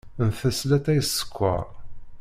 Ntess latay s sskeṛ.